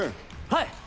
はい。